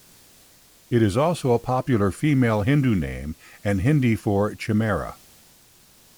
It is also a popular female Hindu name and Hindi for chimera.